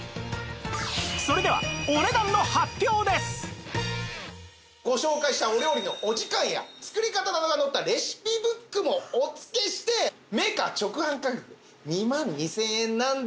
それではご紹介したお料理のお時間や作り方などが載ったレシピブックもお付けしてメーカー直販価格２万２０００円なんですが。